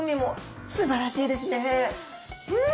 うん！